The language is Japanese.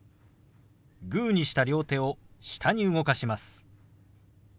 グーにした両手を下に動かします。